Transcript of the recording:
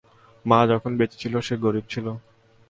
মা যখন বেঁচে ছিলো, সে গরিব ছিলো।